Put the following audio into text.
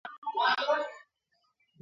بس یا مو سېل یا مو توپان ولیدی ..